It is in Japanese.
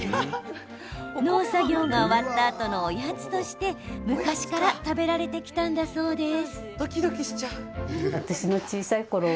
農作業が終わったあとのおやつとして昔から食べられてきたんだそうです。